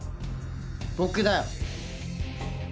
僕だよ。